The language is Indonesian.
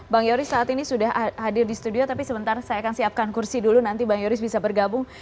bang yoris saat ini sudah hadir di studio tapi sebentar saya akan siapkan kursi dulu nanti bang yoris bisa bergabung